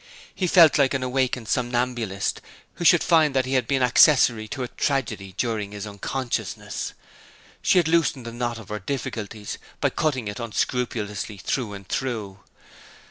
He felt like an awakened somnambulist who should find that he had been accessory to a tragedy during his unconsciousness. She had loosened the knot of her difficulties by cutting it unscrupulously through and through.